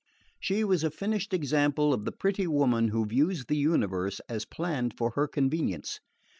She was a finished example of the pretty woman who views the universe as planned for her convenience.